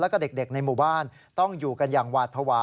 แล้วก็เด็กในหมู่บ้านต้องอยู่กันอย่างหวาดภาวะ